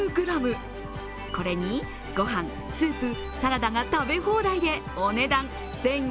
これに御飯、スープ、サラダが食べ放題でお値段１４００円。